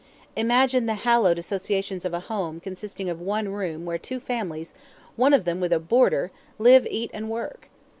Imagine the "hallowed" associations of a "home" consisting of one room where two families, one of them with a boarder, live, eat, and work!